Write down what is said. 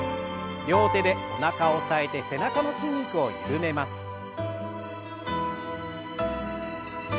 両手でおなかを押さえて背中の筋肉を緩めます。